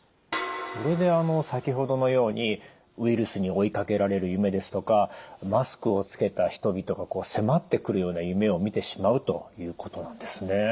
それで先ほどのようにウイルスに追いかけられる夢ですとかマスクを着けた人々が迫ってくるような夢をみてしまうということなんですね。